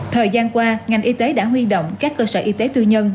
thời gian qua ngành y tế đã huy động các cơ sở y tế tư nhân